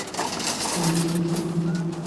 আমি তোমার কিছু কেক খাবো।